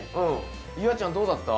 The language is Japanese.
夕空ちゃんどうだった？